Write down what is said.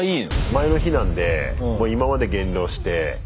前の日なんでもう今まで減量してええ